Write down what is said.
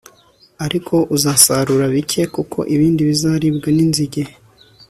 ariko uzasarura bike+ kuko ibindi bizaribwa n'inzige